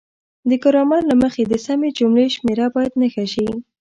د ګرامر له مخې د سمې جملې شمیره باید نښه شي.